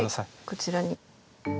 こちらに。